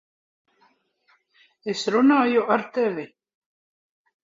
Es runāju ar tevi!